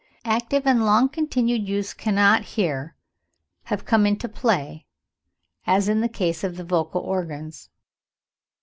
Active and long continued use cannot here have come into play, as in the case of the vocal organs.